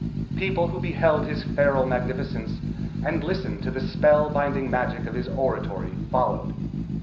People who beheld his feral magnificence, and listened to the spell binding magic of his oratory followed.